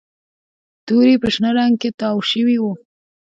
توري په شنه رنګ کې تاو شوي وو